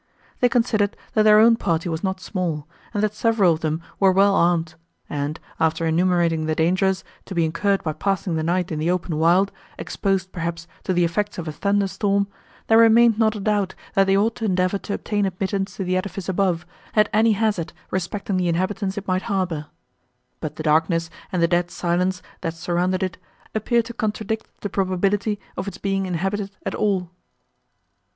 They considered, that their own party was not small, and that several of them were well armed; and, after enumerating the dangers, to be incurred by passing the night in the open wild, exposed, perhaps, to the effects of a thunder storm, there remained not a doubt, that they ought to endeavour to obtain admittance to the edifice above, at any hazard respecting the inhabitants it might harbour; but the darkness, and the dead silence, that surrounded it, appeared to contradict the probability of its being inhabited at all.